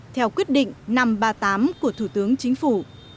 theo quyết định năm trăm ba mươi tám của thủ tướng chính phủ